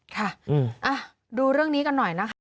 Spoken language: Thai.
ค่ะดูเรื่องนี้กันหน่อยนะคะ